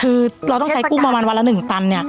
คือเราต้องใช้กุ้งประมาณวันละ๑ตันเนี่ย